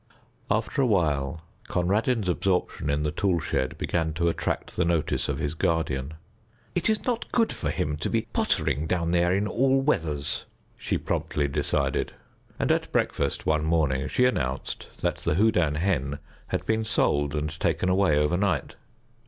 After a while Conradin's absorption in the tool shed began to attract the notice of his guardian. "It is not good for him to be pottering down there in all weathers," she promptly decided, and at breakfast one morning she announced that the Houdan hen had been sold and taken away overnight.